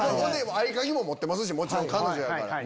合鍵も持ってますしもちろん彼女やから。